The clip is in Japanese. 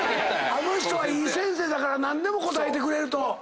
あの人はいい先生だから何でも答えてくれると。